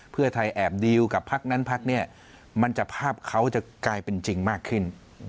เพื่อไทยแอบดีลกับพักนั้นพักเนี่ยมันจะภาพเขาจะกลายเป็นจริงมากขึ้น